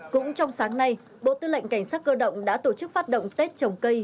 cũng trong sáng nay bộ tư lệnh cảnh sát cơ động đã tổ chức phát động tết trồng cây